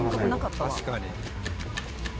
確かに。